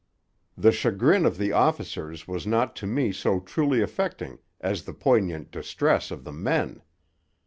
The chagrin of the officers was not to me so truly affecting as the poignant distress of the men.